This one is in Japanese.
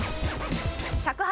尺八。